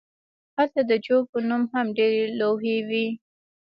هلته د جو په نوم هم ډیرې لوحې وې